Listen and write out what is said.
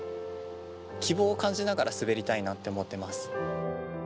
希望を感じながら滑りたいなって思ってます。